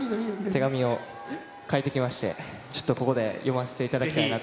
手紙を書いてきまして、ちょっとここで読ませていただきたいなと。